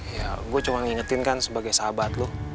ya gue cuma ngingetin kan sebagai sahabat lo